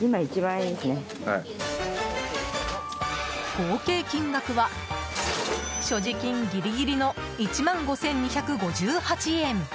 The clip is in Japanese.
合計金額は所持金ギリギリの１万５２５８円。